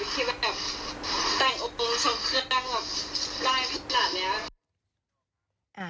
ตื่นเต้นอย่างไรคะตอนนี้เห็นหน้าตัวเองอย่างไร